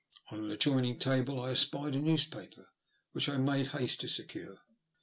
On an adjoining table I espied a newspaper, which I made haste to secure.